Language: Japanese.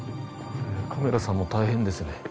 カメラさんも大変ですよね。